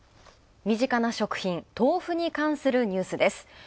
身近な食品、豆腐に関するニュースです。